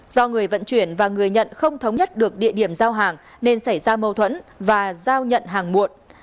do người vận chuyển và người nhận không thống nhất được địa điểm giao hàng nên xảy ra mâu thuẫn và giao nhận hàng muộn